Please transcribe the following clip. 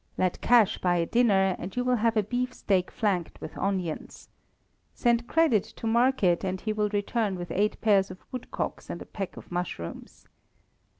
Let cash buy a dinner, and you will have a beef steak flanked with onions. Send credit to market, and he will return with eight pairs of woodcocks and a peck of mushrooms.